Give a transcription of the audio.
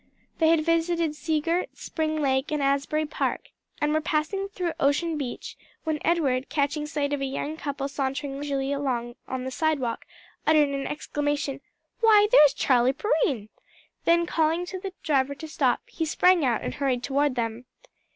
They had visited Seagirt, Spring Lake and Asbury Park, and were passing through Ocean Beach, when Edward, catching sight of a young couple sauntering leisurely along on the sidewalk, uttered an exclamation, "Why, there's Charlie Perrine!" then calling to the driver to stop, he sprang out and hurried toward them.